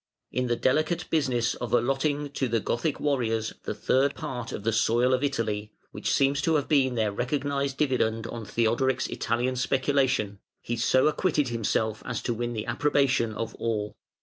In the delicate business of allotting to the Gothic warriors the third part of the soil of Italy, which seems to have been their recognised dividend on Theodoric's Italian speculation, he so acquitted himself as to win the approbation of all.